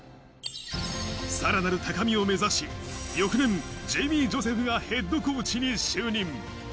さらなる高みを目指し、翌年、ジェイミー・ジョセフがＨＣに就任。